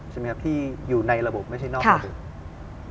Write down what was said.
ใช่ไหมครับที่อยู่ในระบบไม่ใช่นอกระบบ